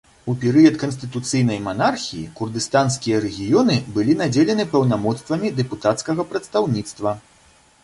У перыяд канстытуцыйнай манархіі курдыстанскія рэгіёны былі надзелены паўнамоцтвамі дэпутацкага прадстаўніцтва.